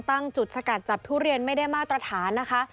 ตั้งจุดสกัดจับทุเรียนไม่ได้มาตรฐานนะคะ